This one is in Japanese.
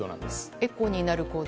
エコになる行動